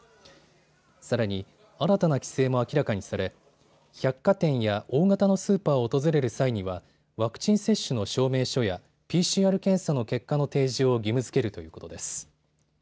さらに新たな規制も明らかにされ百貨店や大型のスーパーを訪れる際にはワクチン接種の証明書やＰＣＲ検査の結果の提示を義務づけるということです。